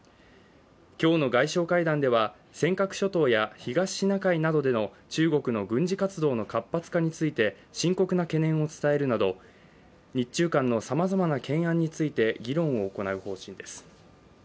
今日の外相会談では尖閣諸島や東シナ海などでの中国の軍事活動の活発化について深刻な懸念を伝えるなど、日中間のさまざまな懸案について議論を行う方針です。